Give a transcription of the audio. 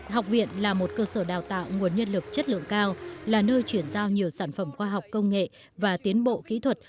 học viện là một cơ sở đào tạo nguồn nhân lực chất lượng cao là nơi chuyển giao nhiều sản phẩm khoa học công nghệ và tiến bộ kỹ thuật